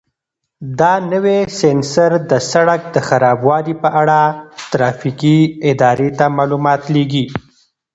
دا نوی سینسر د سړک د خرابوالي په اړه ترافیکي ادارې ته معلومات لېږي.